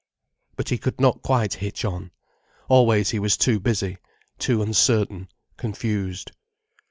But he could not quite hitch on—always he was too busy, too uncertain, confused.